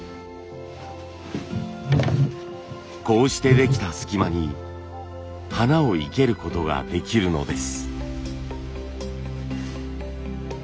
こうしてできた隙間に花を生けることができるのです。